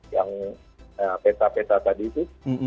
yang peta peta tadi itu